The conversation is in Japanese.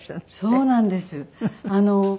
そうなんです。